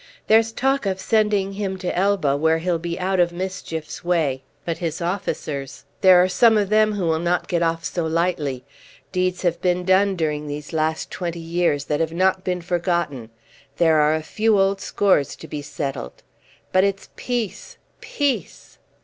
"There's talk of sending him to Elba, where he'll be out of mischief's way. But his officers, there are some of them who will not get off so lightly. Deeds have been done during these last twenty years that have not been forgotten. There are a few old scores to be settled. But it's Peace! Peace!"